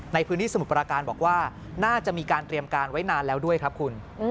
ในพื้นที่สมุทรปราการบอกว่าน่าจะมีการเตรียมการไว้นานแล้วด้วยครับคุณ